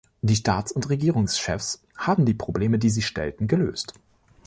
Die Staats- und Regierungschefs haben die Probleme, die sich stellten, gelöst.